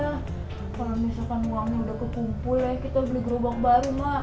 kalau misalkan uangnya udah kekumpul ya kita beli grow bang baru ma